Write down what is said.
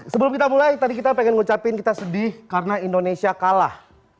sebelum kita mulai tadi kita pengen ngucapin kita sedih karena indonesia kalah